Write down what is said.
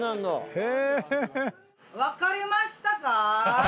へえ分かりましたか？